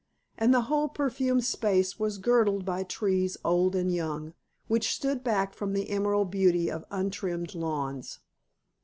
And the whole perfumed space was girdled by trees old and young, which stood back from the emerald beauty of untrimmed lawns.